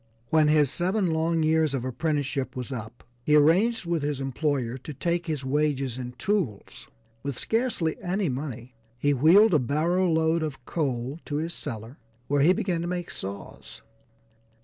When his seven long years of apprenticeship was up he arranged with his employer to take his wages in tools. With scarcely any money, he wheeled a barrow load of coal to his cellar where he began to make saws.